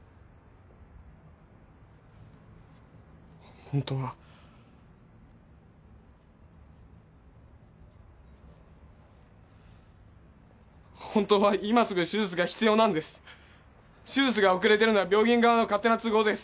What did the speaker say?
ホントは本当は今すぐ手術が必要なんです手術が遅れてるのは病院側の勝手な都合です